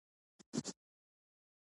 ایا ستاسو ازموینه ښه نه شوه؟